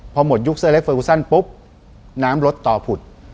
พอหมดยุคเซอร์เล็กเฟอร์ฟูซันปุ๊บน้ำลดต่อผุด